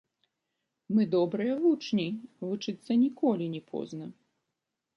Мы добрыя вучні, вучыцца ніколі не позна.